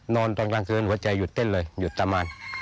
นอนตอนกลางคืนหัวใจหยุดเต้นเลยหยุดประมาณ